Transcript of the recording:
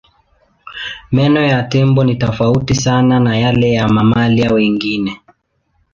Meno ya tembo ni tofauti sana na yale ya mamalia wengine.